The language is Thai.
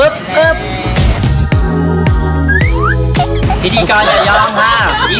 พิธีกรจะยอมค่ะ